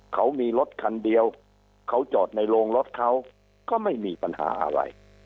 เขามีรถคันเดียวเขาจอดในโรงรถเขาก็ไม่มีปัญหาอะไร